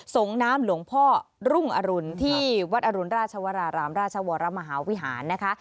งน้ำหลวงพ่อรุ่งอรุณที่วัดอรุณราชวรารามราชวรมหาวิหารนะคะ